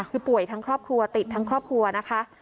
คือป่วยทั้งครอบครัวติดทั้งครอบครัวนะคะ